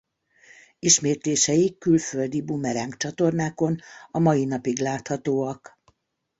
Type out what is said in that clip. Ismétlései külföldi Boomerang csatornákon a mai napig láthatóak.